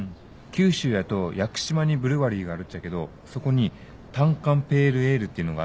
九州やと屋久島にブルワリーがあるっちゃけどそこにたんかんペールエールっていうのがあって。